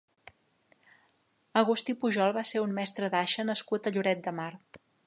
Agustí Pujol va ser un mestre d'aixa nascut a Lloret de Mar.